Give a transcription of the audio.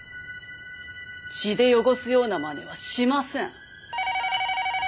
血で汚すようなまねはしません。